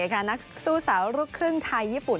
ค่ะนักสู้สาวรุ่นฝึงไทยเยี่ยปุ่น